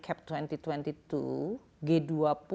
kalau kita bicara tentang recap